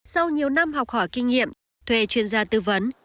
sau nhiều năm học hỏi kinh nghiệm thuê chuyên gia tư vấn